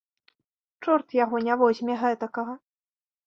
Чорт яго не возьме гэтакага.